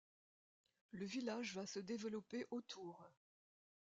Le village va se développer autour.